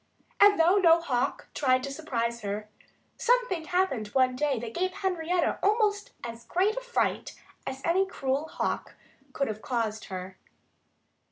And though no hawk tried to surprise her, something happened one day that gave Henrietta almost as great a fright as any cruel hawk could have caused her.